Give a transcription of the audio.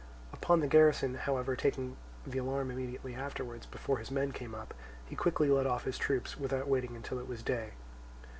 Upon the garrison, however, taking the alarm immediately afterwards, before his men came up, he quickly led off his troops, without waiting until it was day.